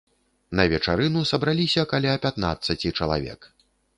На вечарыну сабраліся каля пятнаццаці чалавек.